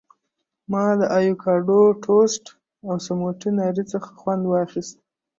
ما د ایوکاډو ټوسټ او سموټي ناري څخه خوند واخیست.